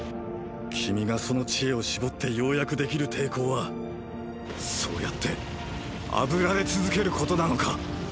君がその知恵を絞ってようやくできる抵抗はそうやって炙られ続けることなのか？